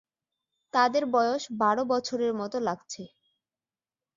তাদের বয়স বারো বছরের মত লাগছে।